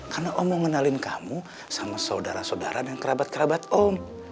karena om mau ngenalin kamu sama saudara saudara dan kerabat kerabat om